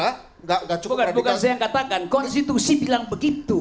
bukan saya yang katakan konstitusi bilang begitu